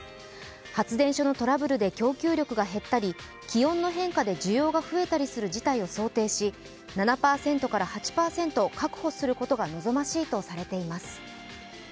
発電所のトラブルで供給力が減ったり、気温の変化で需要が増えたりする事態を想定し、７％から８％を確保することが望ましいとされています。